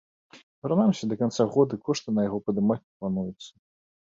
Прынамсі да канца года кошты на яго падымаць не плануецца.